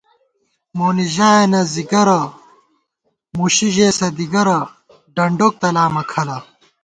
مونی ژایَنہ ځِگَرَہ ، مُشی ژېسہ دِگَرَہ ، ڈنڈوک تلامہ کھلہ